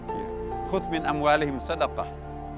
khudmin amwalihim sedakah